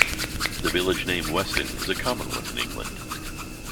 The village name 'Weston' is a common one in England.